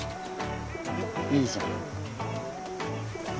いいじゃん。